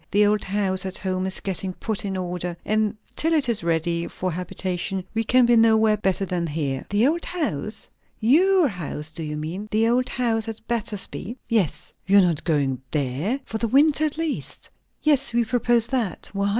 The old house at home is getting put into order, and till it is ready for habitation we can be nowhere better than here." "The old house? your house, do you mean? the old house at Battersby?" "Yes." "You are not going there? for the winter at least?" "Yes, we propose that. Why?"